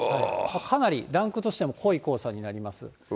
かなりランクとしては濃い黄砂になります。